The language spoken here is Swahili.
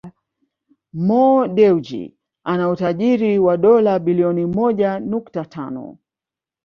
Mo Dewji ana utajiri wa dola bilioni moja nukta tano